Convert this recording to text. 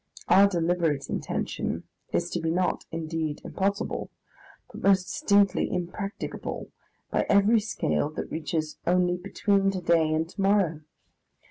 Our deliberate intention is to be not, indeed, impossible, but most distinctly impracticable, by every scale that reaches only between to day and to morrow.